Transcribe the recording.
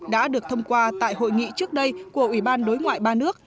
đã được thông qua tại hội nghị trước đây của ủy ban đối ngoại ba nước